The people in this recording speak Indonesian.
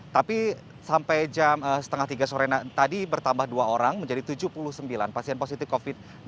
tapi sampai jam setengah tiga sore tadi bertambah dua orang menjadi tujuh puluh sembilan pasien positif covid sembilan belas